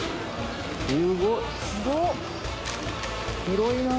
すごい。